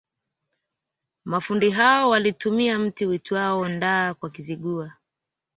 Mafundi hao walitumia mti uitwao ndaa Kwa Kizigua